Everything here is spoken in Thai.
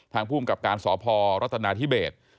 ภูมิกับการสพรัฐนาธิเบศ